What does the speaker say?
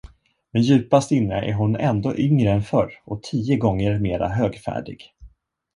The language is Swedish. Men djupast inne är hon ändå yngre än förr och tio gånger mera högfärdig.